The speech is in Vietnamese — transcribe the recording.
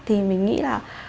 thì mình nghĩ là